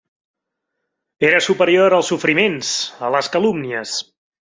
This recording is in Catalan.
Era superior als sofriments, a les calúmnies.